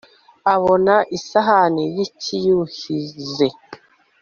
Abona isahani yicyiyuhize